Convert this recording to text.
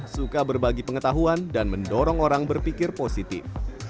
suka berbagi pengetahuan dan mendorong orang berpikir positif